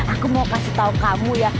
aku mau kasih tahu kamu ya